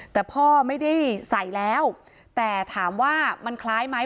แต่พ่อไม่ได้ใส่แล้วแต่ถามว่ามันคล้ายไหม